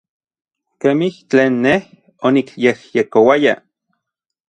Kemij tlen nej onikyejyekouaya.